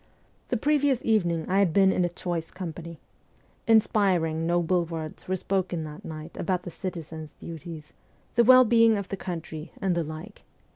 The previous evening I had been in a choice company. Inspiring, noble words were spoken that night about the citizen's duties, the well being of the country, and the like.